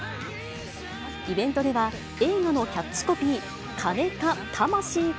イベントでは、映画のキャッチコピー、金か、魂か。